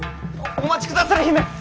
お待ちくだされ姫！